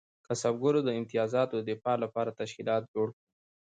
کسبګرو د امتیازاتو د دفاع لپاره تشکیلات جوړ کړل.